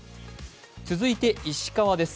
続いて石川です。